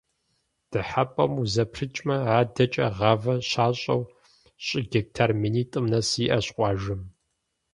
Дыхьэпӏэм узэпрыкӏмэ, адэкӏэ гъавэ щащӏэу щӏы гектар минитӏым нэс иӏэщ къуажэм.